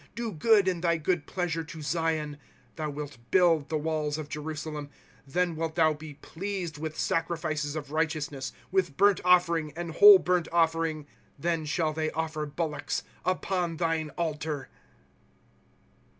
IS Do good, in thy good pleasure, to Zion ; Thou wilt build the walls of Jerusalem. 19 Then wilt thou be pleased with sacrifices of righteousness, with burnt offering, and whole burnt offering ; Then shall ihey offer bullocks upon thine altar.